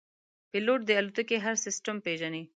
پیلوټ د الوتکې هر سیستم پېژني.